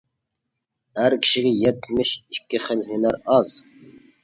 ئەر كىشىگە يەتمىش ئىككى خىل ھۈنەر ئاز.